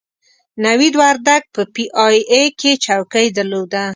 نوید وردګ په پي ای اې کې چوکۍ درلوده.